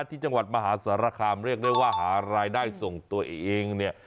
ที่จังหวัดมหาสารคามเรียกได้ว่าหารายได้ส่งตัวเองเนี่ย